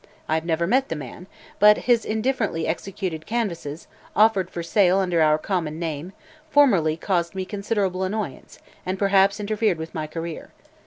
I have never met the man, but his indifferently executed canvases, offered for sale under our common name, formerly caused me considerable annoyance and perhaps interfered with my career.